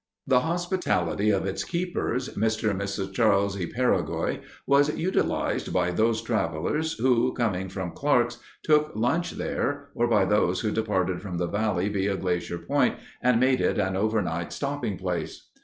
The hospitality of its keepers, Mr. and Mrs. Charles E. Peregoy, was utilized by those travelers who, coming from Clark's, took lunch there, or by those who departed from the valley via Glacier Point and made it an overnight stopping place.